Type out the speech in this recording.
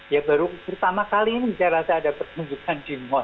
ya baru pertama kali ini saya rasa ada pertunjukan di mall